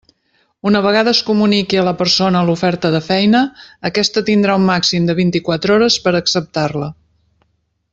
Una vegada es comuniqui a la persona l'oferta de feina, aquesta tindrà un màxim de vint-i-quatre hores per acceptar-la.